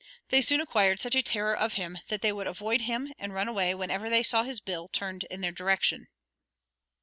They soon acquired such a terror of him that they would avoid him and run away whenever they saw his bill turned in their direction.